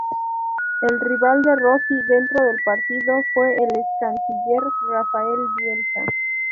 El rival de Rossi dentro del partido fue el ex canciller Rafael Bielsa.